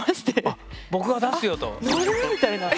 あっ僕が出すよと。